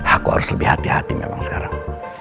aku harus lebih hati hati memang sekarang